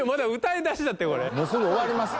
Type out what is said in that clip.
もうすぐ終わりますって。